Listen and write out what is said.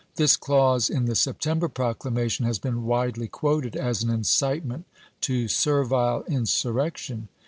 This clause in the September proclama tion has been widely quoted as an incitement to servile insurrection.